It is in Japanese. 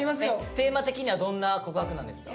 テーマ的にはどんな告白なんですか？